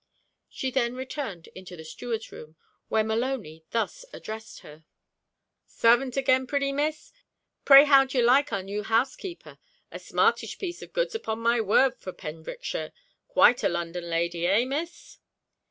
She then returned into the steward's room, where Maloney thus addressed her 'Sarvent again, pretty Miss! Pray how d'ye like our new housekeeper? A smartish piece of goods upon my word for Pembrokeshire; quite a London lady, eh, Miss?'